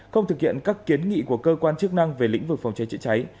không thực hiện các kiến nghị của cơ quan chức năng về lĩnh vực phòng cháy chữa cháy